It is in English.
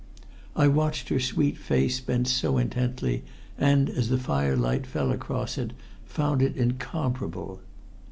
I watched her sweet face bent so intently, and as the firelight fell across it found it incomparable.